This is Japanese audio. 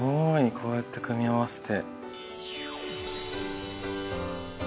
こうやって組み合わせて。